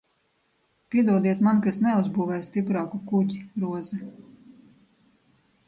Piedodiet man, ka es neuzbūvēju stiprāku kuģi, Roze!